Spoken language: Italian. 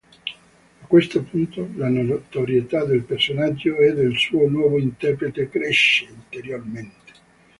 A questo punto la notorietà del personaggio e del suo nuovo interprete cresce ulteriormente.